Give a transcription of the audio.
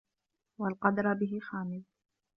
وَالْقَدْرَ بِهِ خَامِلٌ